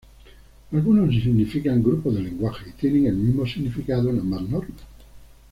Algunos significan "grupos de lenguajes" y tienen el mismo significado en ambas normas.